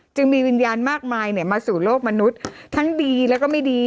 จึงมีวิญญาณมากมายมาสู่โลกมนุษย์ทั้งดีแล้วก็ไม่ดี